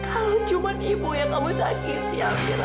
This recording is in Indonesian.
kalau cuma ibu yang kamu sakiti amira